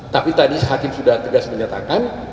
tapi tadi hakim sudah tegas menyatakan